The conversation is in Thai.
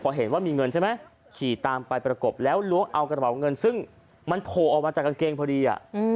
พอเห็นว่ามีเงินใช่ไหมขี่ตามไปประกบแล้วล้วงเอากระเป๋าเงินซึ่งมันโผล่ออกมาจากกางเกงพอดี